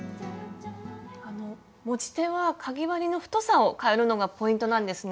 持ち手はかぎ針の太さをかえるのがポイントなんですね。